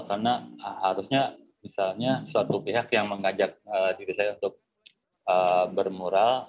karena harusnya misalnya suatu pihak yang mengajak diri saya untuk bermural